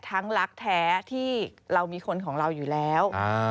รักแท้ที่เรามีคนของเราอยู่แล้ว